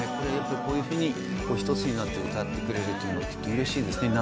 こういうふうに一つになって歌ってくれるのはとても嬉しいですね。